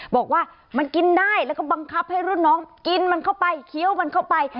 บอกว่ามันกินได้แล้วก็บังคับให้รุ่นน้องกินมันเข้าไปเคี้ยวมันเข้าไป